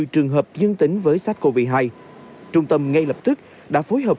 một mươi trường hợp dương tính với sars cov hai trung tâm ngay lập tức đã phối hợp